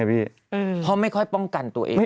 เพราะไม่ค่อยป้องกันตัวเอง